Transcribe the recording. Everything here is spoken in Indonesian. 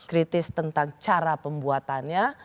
kritis tentang cara pembuatannya